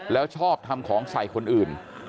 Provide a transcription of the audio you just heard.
แล้วชอบทำของใส่คนอื่น